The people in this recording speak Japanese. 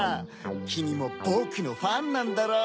きみもぼくのファンなんだろう？